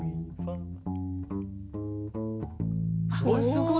すごい。